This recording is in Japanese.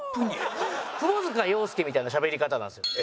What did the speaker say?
窪塚洋介みたいなしゃべり方なんですよ。